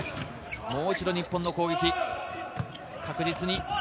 もう一度日本の攻撃、確実に。